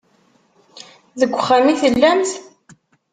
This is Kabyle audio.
Deg uxxam i tellamt?